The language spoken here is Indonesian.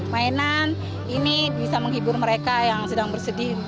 mainan ini bisa menghibur mereka yang sedang bersedih